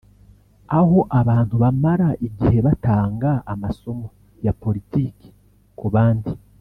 aho abantu bamara igihe batanga amasomo ya Politiki ku bandi